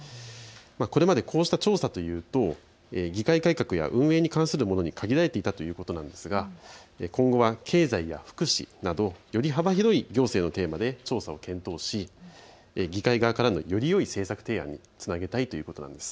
これまでこうした調査というと議会改革や運営に関するものに限られていたということですが今後は経済や福祉などより幅広い行政のテーマで調査を検討し議会側からのよりよい政策提案につなげたいということなんです。